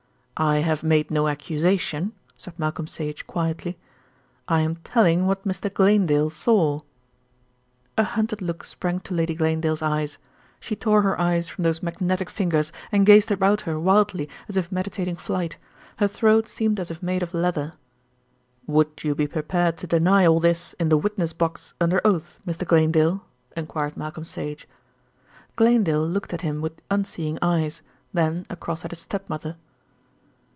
"I have made no accusation," said Malcolm Sage quietly. "I am telling what Mr. Glanedale saw." A hunted look sprang to Lady Glanedale's eyes. She tore her eyes from those magnetic fingers and gazed about her wildly as if meditating flight. Her throat seemed as if made of leather. "Would you be prepared to deny all this in the witness box under oath, Mr. Glanedale?" enquired Malcolm Sage. Glanedale looked at him with unseeing eyes, then across at his step mother.